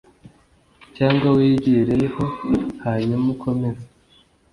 cyangwa wigireho hanyuma ukomeze ..